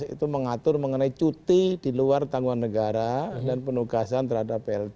itu mengatur mengenai cuti di luar tanggungan negara dan penugasan terhadap plt